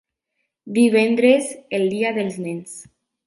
Divendres, el dia dels nens.